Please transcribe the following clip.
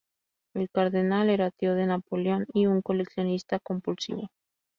El cardenal era tío de Napoleón y un coleccionista compulsivo.